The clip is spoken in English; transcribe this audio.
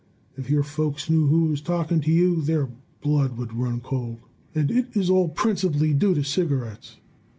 If your folks knew who was talking to you, their blood would run cold. "And it is all principally due to cigarettes!"